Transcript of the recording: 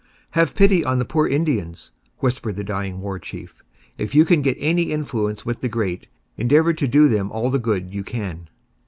'Have pity on the poor Indians,' whispered the dying War Chief; 'if you can get any influence with the great, endeavour to do them all the good you can.'